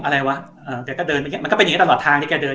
อะไรวะเอ่อแกก็เดินไปมันก็เป็นอย่างเงี้ยตลอดทางที่แกเดิน